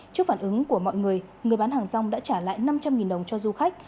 trước phản ứng của mọi người người bán hàng rong đã trả lại năm trăm linh đồng cho du khách